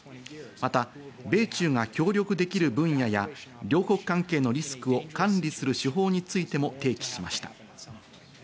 また米中が協力できる分野や両国関係のリスクを管理する手法についても提起しました。